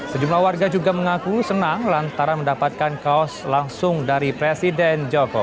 sejumlah warga juga mengaku senang lantaran mendapatkan kaos langsung dari presiden joko